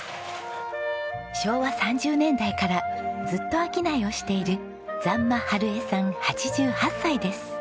昭和３０年代からずっと商いをしている残間春栄さん８８歳です。